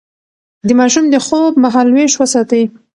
د ماشوم د خوب مهالويش وساتئ.